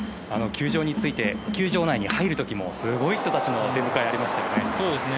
球場に着いて球場内に入る時もすごい人たちの出迎えがありましたよね。